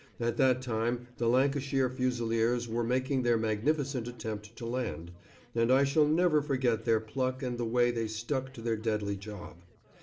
At that time the Lancashire Fusiliers were making their magnificent attempt to land, and I shall never forget their pluck and the way they stuck to their deadly job.